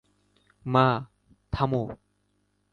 মা, থামো!